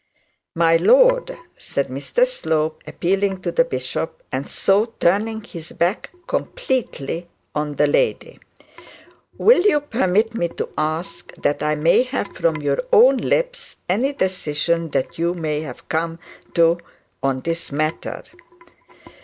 'My lord,' said Mr Slope, appealing to the bishop, and so turning his back completely on the lady, 'will you permit me to ask that I may have from your own lips and decision that you may have come to on this matter?'